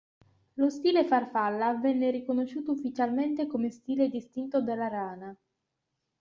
Lo stile farfalla venne riconosciuto ufficialmente come stile distinto dalla rana.